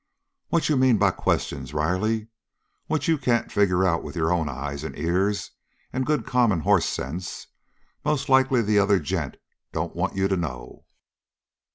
"What you mean by questions, Riley? What you can't figure out with your own eyes and ears and good common hoss sense, most likely the other gent don't want you to know."